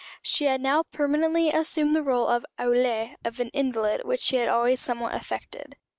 She had now permanently assumed that rôle of an invalid which she had always somewhat affected.